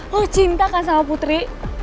lo cintakan sama putri